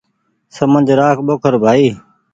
سمجه رآک ٻوکر ڀآئي